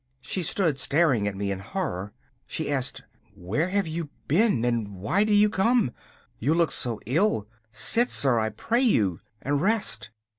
She stood staring at me in horror. She asked: 'Where have you been and why do you come? You look so ill! Sit, sir, I pray you, and rest.